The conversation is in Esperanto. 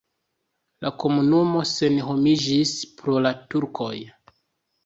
La komunumo senhomiĝis pro la turkoj.